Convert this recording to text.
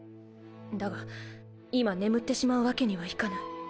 だが今眠ってしまうわけにはいかぬ。